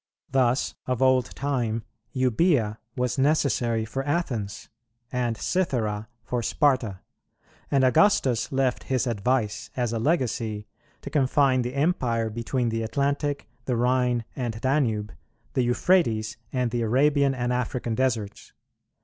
Thus, of old time, Eubœa was necessary for Athens, and Cythera for Sparta; and Augustus left his advice, as a legacy, to confine the Empire between the Atlantic, the Rhine and Danube, the Euphrates, and the Arabian and African deserts.